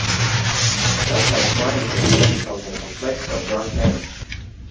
Just like trying to explain something complex to a drunk man.